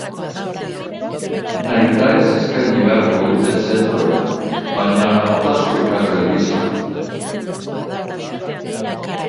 Nahitaez eskaini beharko dute zentroek, baina hautazko ikasgai gisa.